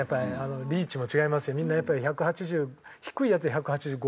リーチも違いますしみんなやっぱり１８０低いヤツで１８５ぐらいなんで。